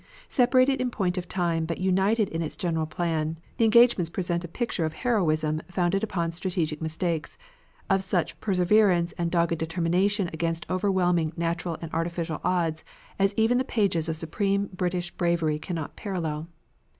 Separated in point of time but united in its general plan, the engagements present a picture of heroism founded upon strategic mistakes; of such perseverance and dogged determination against overwhelming natural and artificial odds as even the pages of supreme British bravery cannot parallel.